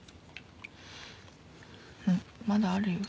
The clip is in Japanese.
まだあるよ。